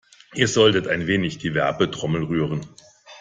Ihr solltet ein wenig die Werbetrommel rühren.